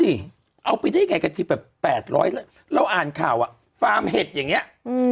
นี่เอาไปได้ไงกะทิแบบ๘๐๐เราอ่านข่าวอ่ะฟาร์มเห็ดอย่างนี้